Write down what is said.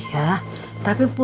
ya baik baik pak